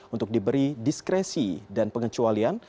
untuk diberi diskresi dan pengecualian